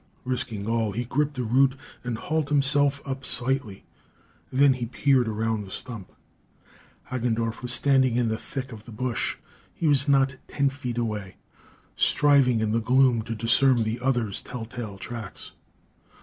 Risking all, he gripped a root and hauled himself up slightly. Then he peered around the stump. Hagendorff was standing in the thick of the bush. He was not ten feet away, striving in the gloom to discern the other's tell tale tracks.